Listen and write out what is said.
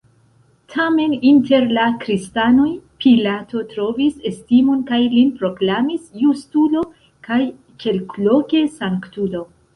Tamen, inter la kristanoj Pilato trovis estimon kaj lin proklamis justulo kaj, kelkloke, sanktulo.